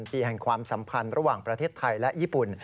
ปีแห่งความสัมพันธ์ระหว่างประเทศไทยและญี่ปุ่น